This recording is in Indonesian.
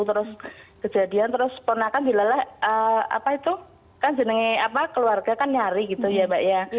terus kejadian terus ponakan dilala apa itu kan jeneng keluarga kan nyari gitu ya mbak ya